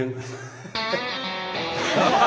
ハハハハ！